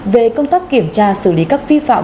về công tác kiểm tra xử lý các vi phạm